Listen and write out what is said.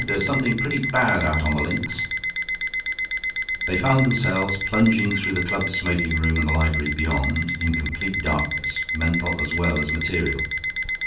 "There's something pretty bad out on the links." They found themselves plunging through the club smoking room and the library beyond, in complete darkness, mental as well as material.